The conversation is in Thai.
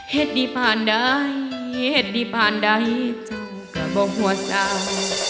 เหตุดีผ่านใดเหตุดีผ่านใดเจ้าก็บ่หัวซ้าย